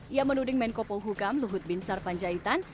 ia menuding menko pohukam luhut bin sar panjaitan